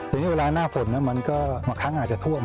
อย่างนี้เวลาหน้าฝนมันก็มะคั้งอาจจะท่วม